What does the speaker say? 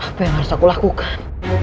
apa yang harus aku lakukan